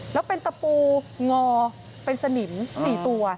แล้วเป็นตะปูงอเป็นสนิม๔ตัว